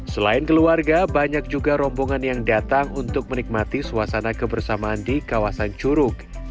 selain keluarga banyak juga rombongan yang datang untuk menikmati suasana kebersamaan di kawasan curug